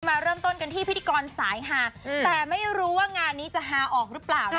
มาเริ่มกันที่พี่ดิกรสายห้าอืมแต่ไม่รู้ว่างานนี้จะฐาออกหรือเปล่านะคะ